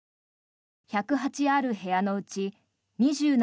１０８ある部屋のうち２７